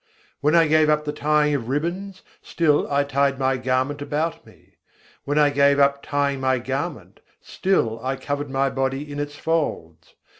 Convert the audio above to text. When I gave up the tying of ribbons, still I tied my garment about me: When I gave up tying my garment, still I covered my body in its folds.